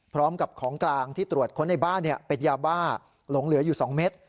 พร้อมกับของกลางที่ตรวจค้นในบ้านเป็นยาบ้าหลงเหลืออยู่๒เม็ด